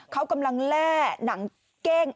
เขากำลังแล่หนังเก้ง